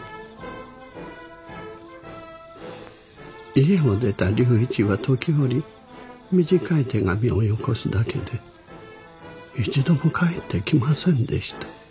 家を出た龍一は時折短い手紙をよこすだけで一度も帰ってきませんでした。